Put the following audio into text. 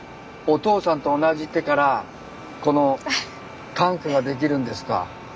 お父さんと同じ手からこのタンクができるんですか。